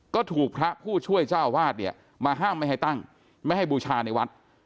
ก็ถูกพระผู้ช่วยเจ้าวาดเนี่ยมาห้ามไม่ให้ตั้งไม่ให้บูชาในวัด